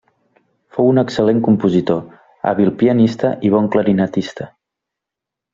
Fou un excel·lent compositor, hàbil pianista i bon clarinetista.